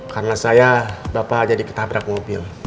karena saya bapak jadi ketabrak mobil